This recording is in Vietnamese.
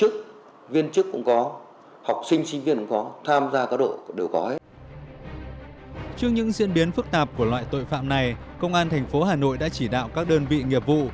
trước những diễn biến phức tạp của loại tội phạm này công an tp hà nội đã chỉ đạo các đơn vị nghiệp vụ